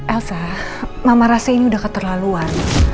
elsa mama rasa ini udah keterlaluan